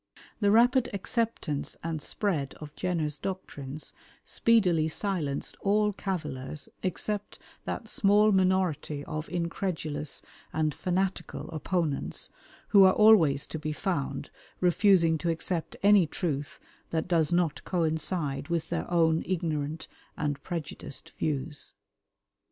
The rapid acceptance and spread of Jenner's doctrines speedily silenced all cavillers except that small minority of incredulous and fanatical opponents who are always to be found refusing to accept any truth that does not coincide with their own ignorant and prejudiced views.